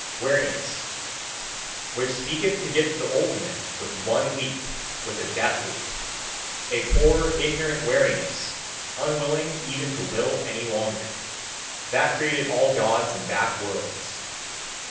Weariness, which seeketh to get to the ultimate with one leap, with a death leap; a poor ignorant weariness, unwilling even to will any longer: that created all Gods and backworlds.